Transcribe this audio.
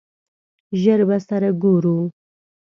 ژر به سره ګورو!